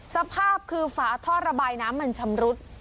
สภาพคือฝาท่อระบายน้ำมันชำรุด